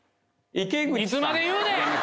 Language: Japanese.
いつまで言うねん！